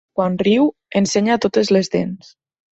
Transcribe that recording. Quan riu, ensenya totes les dents.